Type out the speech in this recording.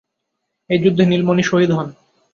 এই যুদ্ধে নীলমণি শহীদ হন।